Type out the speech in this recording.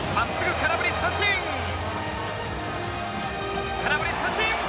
空振り三振！